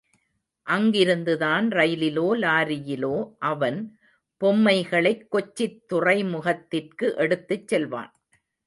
அங்கிருந்துதான் ரயிலிலோ லாரியிலோ அவன் பொம்மைகளைக் கொச்சித் துறை முகத்திற்கு எடுத்துச் செல்வான்.